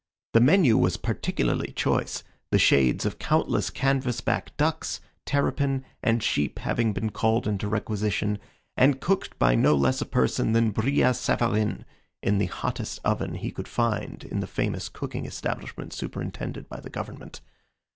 The menu was particularly choice, the shades of countless canvas back ducks, terrapin, and sheep having been called into requisition, and cooked by no less a person than Brillat Savarin, in the hottest oven he could find in the famous cooking establishment superintended by the government.